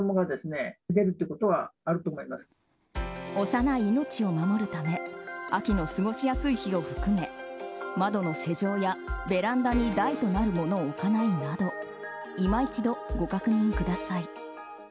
幼い命を守るため秋の過ごしやすい日を含め窓の施錠やベランダに台となるものを置かないなど今一度、ご確認ください。